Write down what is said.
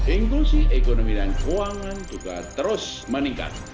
inklusi ekonomi dan keuangan juga terus meningkat